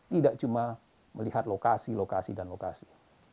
tidak cuma melihat lokasi lokasi dan lokasi